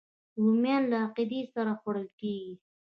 رومیان له عقیدې سره خوړل کېږي